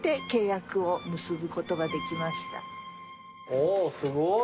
おおすごい。